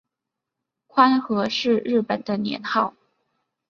宽和是日本的年号。